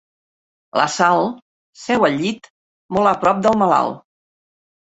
La Sal seu al llit, molt a prop del malalt.